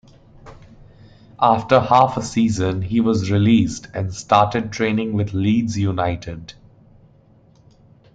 After half a season he was released and started training with Leeds United.